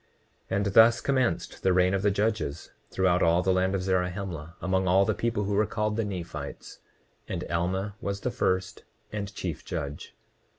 29:44 And thus commenced the reign of the judges throughout all the land of Zarahemla, among all the people who were called the Nephites; and Alma was the first and chief judge.